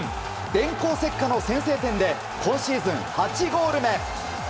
電光石火の先制点で今シーズン８ゴール目。